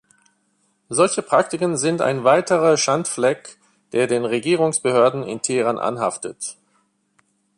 Solche Praktiken sind ein weiterer Schandfleck, der den Regierungsbehörden in Teheran anhaftet.